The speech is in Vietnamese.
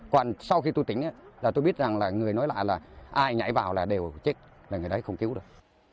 còn sau khi tôi tỉnh là tôi biết rằng là người nói lại là ai nhảy vào là đều chết là người đấy không cứu được